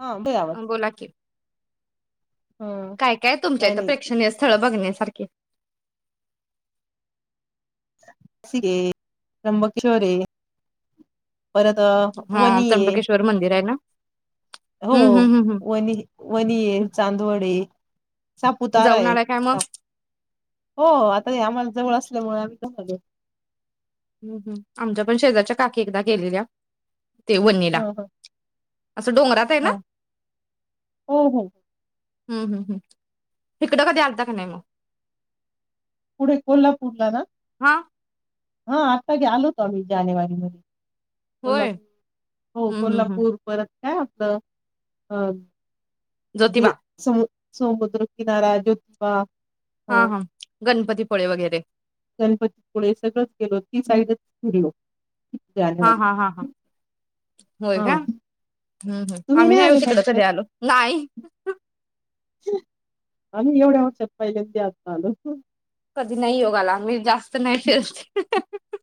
हा बघ आवाज अ बोला की. ह काय काय तुमच्या इथं प्रेक्षणीय स्थळ बघण्या हलके [unintelligible] त्र्यंबकिशोर हे परत अ हा वणी ये त्र्यंबकेश्वर मंदिर आहे ना हो हम्म हम्म हम्म वणी वणी ए हम्म चांदवड ए. सापुतारा जाऊन ए आलाय काय मग साप. हो आता आम्हाला जवळ असल्यामुळ आमी [unintelligible] हम्म हम आमच्या पण शेजारच्या काकी एकदा गेलेल्या. ते वनिला ह असं डोंगरात हायं ना? ह हो हो हम्म हम् हम् हिकडं कधी आलता का नाय मग? पुढे कोल्हापूरला ना? हा हा आत्ता घे आलोतो आम्ही जानेवारी मधे. होय कोल्हापूर. हो हम्म हम्म हम्म कोल्हापूर परत काय आपलं अ ज्योतिबा हे सम समुद्र किनारा ज्योतिबा हा हा गणपति फळे वगैरे गणपतिपुळे सगळंच केल ती साईडच फिरलो हा जानेवारी हा हा हा होय हा काय? हंम्म तुम्ही आम्ही नाही नाय ओ आले नाही सध्या का त्या तिकड आलो दिवशी? नाय आम्ही एवढ्या वर्षात पहिल्यांदा आत्ता आलो हां कधी नाय योग आला मी जास्त नाय फिरत [unintelligible]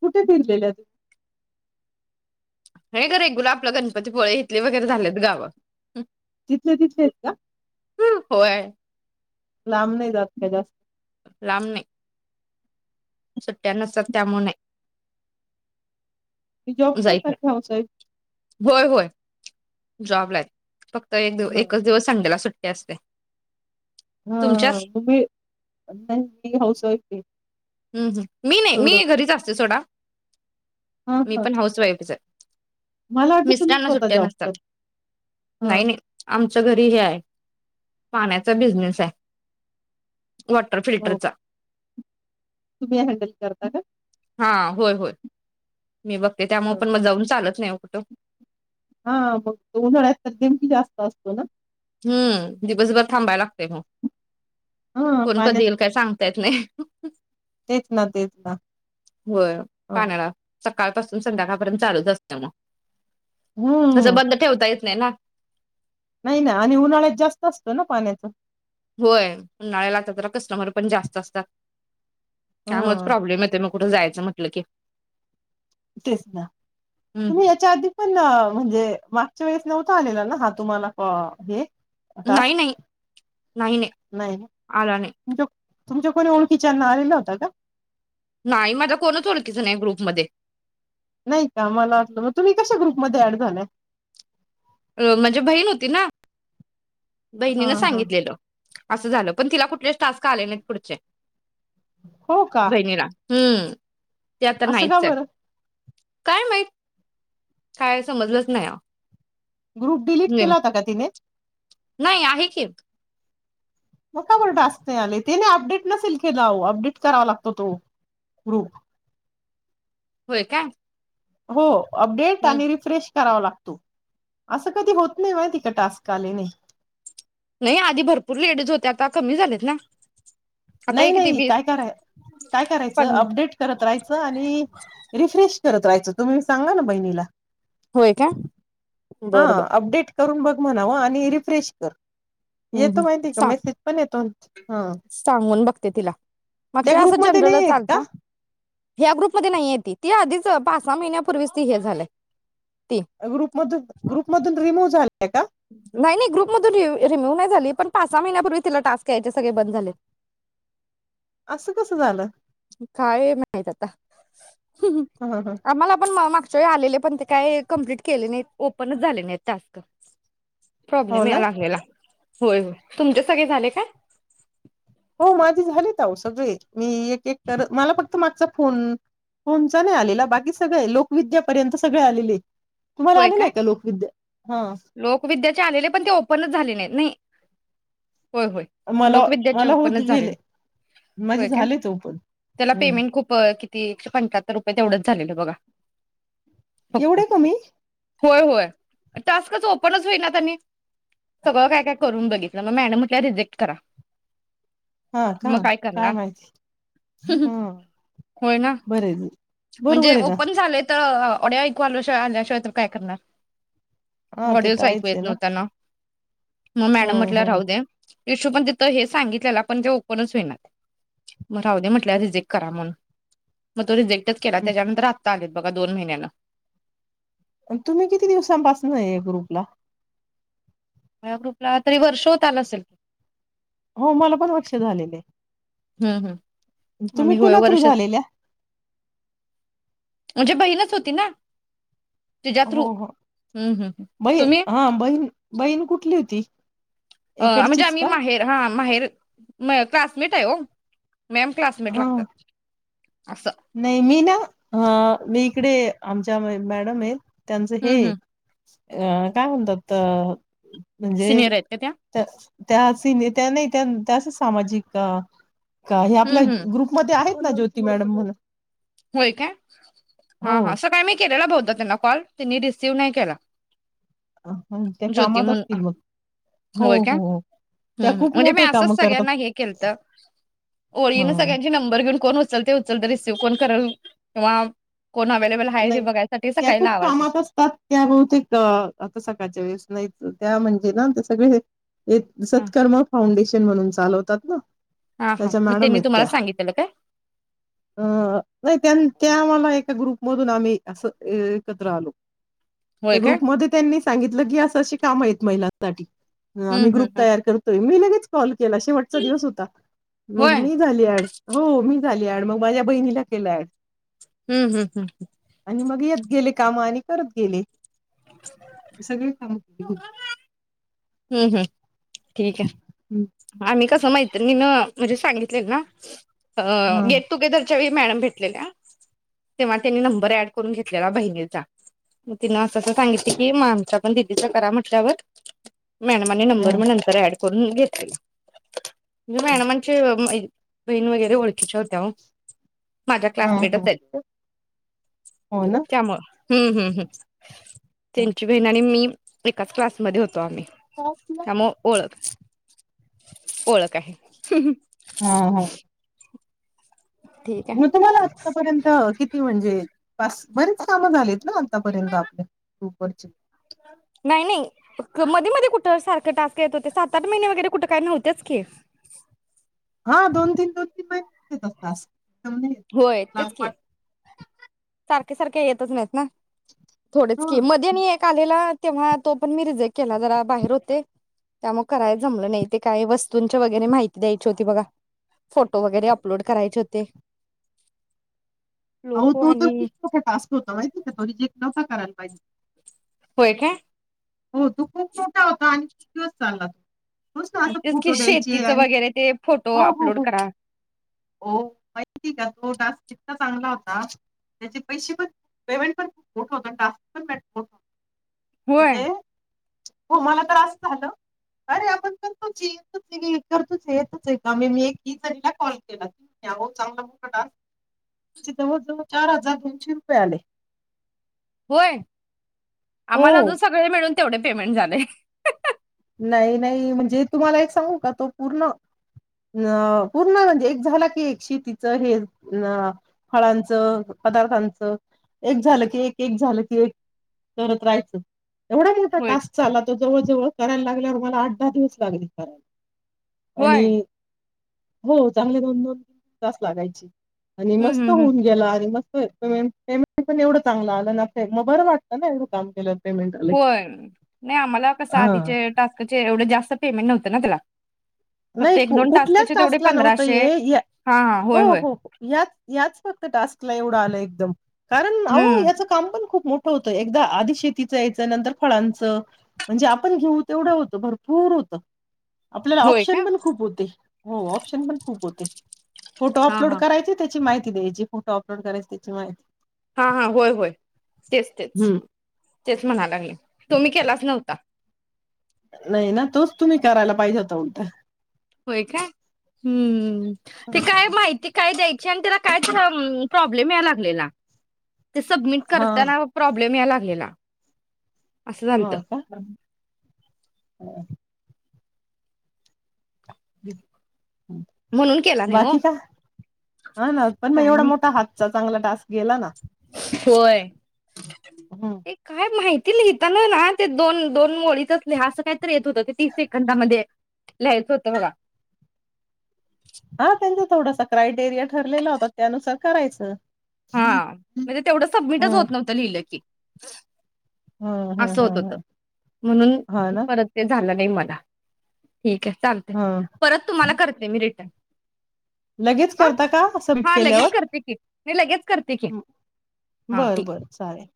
कुठे फिरलेल्यात हे घर आपलं गणपतिपुळे इथले वगैरे झालेत गाव. तिथले तिथले आहेत का? हंम्म होय लांब नाही जात का जास्त? लांब नाय सुट्टया नसतात त्यामुळं नाही. तुम्ही जॉब हो जाईल करतात ना का हाऊस वाईफ? होय, होय. जॉबला हायत फत्क एक हा एकच दिवस संडेला सु जास्त आहे हम्म तुम्ही त्यांची हाऊस वाईफ आहे. हम्म हम्म मी नाही सोड मी घरीच असते सोडा हम्म मी पण हाऊसवाईफच आहे. मला वाटलं तुम्ही मिस्टरांना स्वतः सुट्ट्या जॉब करता. नसतात हा नाही नाही आमच्या घरी हे आहे. पाण्याचा बिझनेस आहे वॉटर फिल्टरचा तुंम्ही हँडल करता का? हा होय होय मी बघते त्यामुळे हा पण चालत नाही ओ. कुठ हा मग उन्हाळ्यात तर टीम पण जास्त असतो ना हंम्म दिवसभर थांबायला लागतय मग हा पोर कधी पाण्यात येईल काय सांगता येत नाही? तेच ना तेच ना. होय हा पाण्याला सकाळं पासुन संध्याकाळ पर्यंत चालुच असत मग तसं हम्म. बंद ठेवता येत नाय ना नाही ना आणि उन्हाळ्यात जास्त असतो ना पाण्याचा होय उन्हाळा लागला तर कस्टमर पण जास्त असतात त्यामुळच हा प्रॉब्लम येतोय मग कुठं जायचं म्हटलं की तेच ना तुम्ही हम्म याच्या आधी पण म्हणजे मागच्या वेळेस नव्हता आलेला ना हा तुम्हाला कॉ हे नाई टास्क नाई नाई नाई नाही ना आला नाई. तुमच्या तुमच्या कोणी ओळखीच्याना आलेला होता का? नाई माझ्या कोणच ओळखीच नाही ग्रुपमध्ये नाई का मला वाटलं म तुम्ही कशा ग्रुपमध्ये ऍड झालाय? अ म्हणजे बहीण होती ना हा बहिणीने हा सांगितलेल असं झालं पण तिला कुठलेच टास्क आले नाईत पुढचे. हो का बहिणीला हम्म ते आता असं का नाहीचायत बरं काय माहित काय समजलंच नाही अहो ग्रुप डिलीट नेम केला होता का तिने नाही आहे की असं कुठं असतय आणि तीने अपडेट नसेल केला आवो अपडेट करावा लागतो तो ग्रुप व्हय काय? हो अपडेट हम्म. आणि रिफ्रेश करावं लाग असं कधी होत नाही व्हय तिथं टास्क आले नाही. नाई आधी भरपूर लेडीज होत्या आता कमी झालेत ना. आता हे नाही किती नाही वीस काय कराय काय करायचं पन्ना अपडेट करत राहायचं आणि रिफ्रेश करत राहायचं तुम्ही सांगाना बहिणीला होय काय बर बर करुन बघ म्हणाव आणि रिफ्रेश कर हम्म येतो हम्म माहितीये का सांग मेसेज पण येतो हां म्हणून बघते तिला मागच्यावेळी असच नाही जनरलच आहेत का आलता ह्या ग्रुप मध्ये नाईये ती ती आधीच क पाच सहा महिन्यापूर्वीच ती हे झाल्यात त्या ग्रुपमधून ग्रुपमधून रिमूव्ह झाले. [unintelligible] नाई नाई ग्रुप मधून री रिमुव्ह नाई झाली पण पाच सहा महिन्यापूर्वीच तिला टास्क यायचे सगळे बंद झालेत. आसं कसं झालं? काय माहित आता हम्म ह ह आम्हाला पण मा मा ते आलेले पण ते काय कंप्लीट केले नाइत ओपनच झाले नाय टास्क हो प्रॉब्लेम ना याय लागलेला. होय होय तुमचे सगळे झाले काय? हो माझे झालेत अहो सगळे. मी एक एक तर मला फक् तो मागचा फोन फोनचा नाही आलेला बाकी सगळे लोकविद्यापर्यंत सगळे आलेलेत तुम्हाला होय आलेलाये काय का लोकविद्या? हा लोकविद्याचे आलेले पण ते ओपनच झालेले नाही. नई होय, होय मला लोकविद्याचे मला होत ओपनच झाले गेले नाही. माझे होय काय? झाले तो पण त्याला हम्म पेमेंट खूप ती एकशे पंच्याहत्तर रुपये तेवढंच झालेल बघा. फक्त एवढ कमी? होय होय टास्कच ओपनच होईनात आणि सगळ काय काय करून बघि म्हणून मॅडम म्हटल्या रिजेक्ट करा. हा का मग काय करणार माहिती हं होय ना बरय म्हणजे ओपन झालय त अ ऑडिओ ऐकू आल्या शिय आल्याशिवाय तर काय करणार? हा ते तर ऑडिओच ऐकू आहेच येत आहे नव्हता ना. म मॅडम हम्म म्हटल्या हम्म राहू दया इशू पण तिथं हे सांगितलेला पण ते ओपनच होईनात. मग राहू दे म्हटलं रिजेक्ट करा म्हणून, मग तो रिजेक्ट [unintelligible] केला हम्म. त्याच्यानंतर आ चालेत बघा दोन महिन्याला. अन तुम्ही किती दिवसांपासून हाय या ग्रुपला? मला ग्रुपला तरी वर्ष होत आल असल की हो मला पण लक्षात आलेले हं, हं तुम्ही कुणा थ्रू झालेल्या? म्हणजे बहीणच होती ना? तिच्या थ्रू हो हो हम्म हम्म बई तुम्ही हा बहीण बहीण कुठली होती? अ म्हणजे इकडचीच आम्ही का माहेर हा माहेर सास मीठ आहे हो. मॅम क्लासमेट हा लागतात असं नाही मी ना ह मी तिकडे आमच्या मॅडम आहेत त्यांचं हम्म हे हम्म अ काय म्हणतात. म्हणजे सिनियर आहेत का त्या त्या नाही त्या त्याच सामाजिक का हे आपल्या हम्म हम्म ग्रुपमध्ये आहेत ना ज्योती मॅडम मला होय का हा हा हो असं काय मी केलेला बहुतेक त्यांना कॉल त्यांनी रिसीव्ह नाही केला. त्या ज्योती कामात असतील मग म्हणून हो होय काय हो त्या खूप म्हणजे मी मोठे असचं काम करतात सगळ्यांना हे केलतं ह ओळीनं सगळ्यांचे नंबरं घेऊन कोण उचलतंय उचलतंय रिसिव्ह करून [unintelligible] नाही त्या खूप कामात असतात त्या बहुतेक आता सकाळच्या वेळेस नाही त्या म्हणजे ना ते सगळे हा सत्कर्मा फाउंडेेशन म्हणून चालवतात ना हा हा त्याच्या मग मॅडम त्यांनी आहेत तुम्हाला त्या सांगितलेलं काय अ नाही त्यां त्या मला एक ग्रुप मधून आम्ही असं एकत्र आलो. होय त्या काय ग्रुप म त्यांनी सांगितलं की असं शिक काम आहेत महिलांसाठी हम हम्म हम्म ग्रुप हम्म तयार करतोय मी लगेच कॉल ला शेवटचा दिवस होता, होय मग मी झाली एड हो मी झालीअड मग माझ्या बहिणीला केला अड हम्म हम्म हम्म हम गेले काम आणि करत गेले. सगळी कामं [inaudible] हम्म हम् ठीक आहे. आम्ही कसं मैत्रीणीनं म्हणजे सांगितलेल ना अ हा गेट टुगेदर त्यावेळी मॅडम भेटलेल्या तेव्हा त्यांनी नंबर ऍड करून घेतलेला बहिणीचा मग तिन अस अस सांगितल की आमच्या पण दिदीचा करा म्हटल्यावर मॅडमानी नंबर हा मग नंतर ऍड करुन घेतली. तुला मॅडमाची म्हणज बहिण वगैरे ओळखीच्या होत्या ओ माझ्या हा हा क्लासमेटच आहेत हो ना त्यामुळं, हम्म हम् हम् त्यांची बहीण आणि मी एकाच क्लासमध्ये होत. होतो आम्ही त्यामुळे ओळख [inaudible] ओळख आहे. हा हा ठीक मग आहे तुम्हाला आत्तापर्यंत किती म्हणजे टास्क बरेच कामं झालेत ना आतापर्यंत आपले हो पच [unintelligible] नाही नाही मध्ये मध्ये कुठ सारखं टास्क येत होते सात आठ महिने वगैरे कुठे काही नव्हतेच की, हा दोन तीन दोन तीन महिने होतात टास्क समज होय लाल तेच की मा सारखे सारखे येतच नाहीत ना. थोडेच हा की मध्ये आणि एक आलेला तेव्हा तो पण मी रिझेक्ट केला जरा बाहेर होते तेव्हा मी तो रिजेक्ट केला तेव्हा मी जरा बाहेर होते त्यामुळे करायलाच जमलं नाही ते काही वस्तूंच्या वगैरे माहिती द्यायची होती बघा फोटो वगैरे अपलोड करायचे होते. आओ लोक तो तर आणि खूप मोठा टास्क होता माहितीय का तो रिजेक्ट तर करायल पाहिजे. होय काय? किती दिवस चालला तो. नुसतं असं तेच की फोटो द्यायची शेतीचं आणि वगैरे ते फोटो हो हो अपलोड हो करा हो माहिती आहे का तो टास्क. टास्क पण चांगला होता त्याचे पैसे पण पेमेंट पण खूप मोठा होता टास्क पण होय. म्हणजे हो मला तर असं झालं अरे आपण तर तो येत करतच येतच आहे का मी मी एक ही जणीला कॉल केला तर आहो चांगला मोठा टास्क आहे जवळ जवळ चार हजार दोनशे रुपये आले. होय. आम्हाला हो अजुन सगळे मिळून तेवढे पेमेंट झालय नाही नाही म्हणजे तुम्हाला एक सांगू का तो पूर्ण अ पूर्ण म्हणजे एक झाला की एक शेतीच हे अ फळांचं पदार्थांचं एक झालं की एक एक झालं की एक करत राहायचं. एवढा मोठा होय टास्क चाललातो जवळ जवळ करायला लागल्यावर मला आठ- दहा दिवस लागले करायला होय आणि हो चांगले दोन- दोन तास लागायचे. आणि हम्म मस्त हम्म हम्म होऊन गेला आणि म पेमेंट पण एवढं चांगलं आलं न मग बरं वाटतं ना एवढं काम केलं. पेमेंट आलं की होय नाय आम्हाला कस हा आधीचे टास्कचे एवढे जास्त पेमेंट नव्हतं ना त्याला फक्त नाही एक कु दोन कुठल्याच टास्कचे तेवढे टास्कला नव्हत पंधराशे हे हे हा हा होय हो होय हो हो याच याच फक्त टास्कला एवढं आलंय कारण अहो हम्म याच काम पण खूप मोठ होत एकदा आधी शेतीचं यायचं, नंतर फळांचं म्हणजे आपण घेऊ तेवढं होतं भरपूर होतं. आपल्याला होय का ऑप्शन पण खूप होते हो, ऑप्शन पण खूप होते. फोटो हा अपलोड हा करायचे त्याची माहि जे फोटो अपलोड करायचे त्याची माहिती हा हा होय होय तेच तेच हं. तेच म्हणा लागले तुम्ही केलाच नव्हता. नाही ना तोच तुम्ही करायला पाहिजे होता उलटा होय काय हम्म हं. ते काय माहिती काय द्यायची आणि त्याला कायतर प्रॉब्लेम यालं लागलेला ते सबमिट हां, करताना प्रॉब्लेम याला गेला असं झालंत. हां का? [inaudible] [inaudible] म्हणून केला नाही हो बाकी का हा ना पण मग काय एवढा नाही मोठा हातचा चांगला टास्क गेला ना. होय हं. ते काय माहिती ते लिहिताना ना ते दोन -दोन ओळीतच लिहा असं काहीतरी येत होत. ते तीस सेकंदामध्ये लिहायचं होतं बघा, हां, त्यांचा थोडासा क्रायटेरिया ठरलेला होता त्यानुसार करायचं हा म्हणजे तेवढं हं सबमिटच होत नव्हतं लिहिलं की [inaudible] हं हं असं होत हं होतं हं म्हणून, हा ना परत ते झालं नाही मला ठीके, चालतंय हं परत तुंम्हाला करतेमि रीटन. लगेच करता का? सम्मिंट केल्यावर? नय लगेच करते की हंम्म! हा बर ठीक बर चालेल.